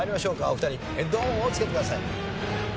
お二人ヘッドホンをつけてください。